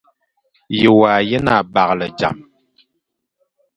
O nga yen abaghle dam ;